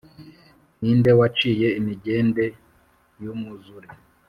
Ni nde waciye imigende y’umwuzure